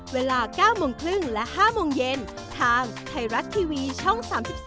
เวลา๙โมงครึ่งและ๕โมงเย็นทางไทยรัฐทีวีช่อง๓๒